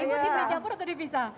ibu tim dicampur atau dipisah